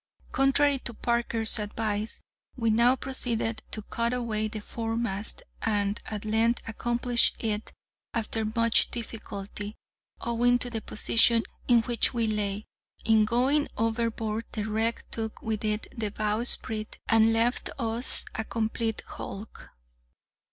Contrary to Parker's advice, we now proceeded to cut away the foremast, and at length accomplished it after much difficulty, owing to the position in which we lay. In going overboard the wreck took with it the bowsprit, and left us a complete hulk.